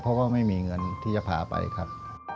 เพราะว่าไม่มีเงินที่จะพาไปครับ